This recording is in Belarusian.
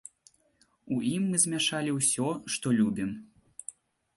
У ім мы змяшалі ўсё, што любім.